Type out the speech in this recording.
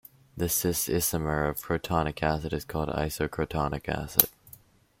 The "cis"-isomer of crotonic acid is called isocrotonic acid.